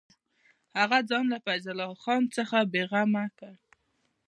هغه ځان له فیض الله خان څخه بېغمه کړ.